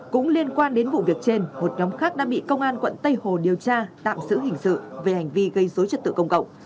cũng liên quan đến vụ việc trên một nhóm khác đã bị công an quận tây hồ điều tra tạm giữ hình sự về hành vi gây dối trật tự công cộng